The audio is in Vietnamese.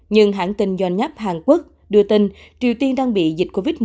nhưng hãng tin do nháp hàn quốc đưa tin triều tiên đang bị dịch covid một mươi chín tấn công